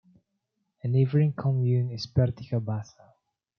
A neighbouring commune is Pertica Bassa.